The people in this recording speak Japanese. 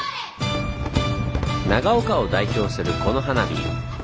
長岡を代表するこの花火。